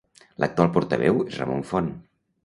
L'actual portaveu és Ramon Font.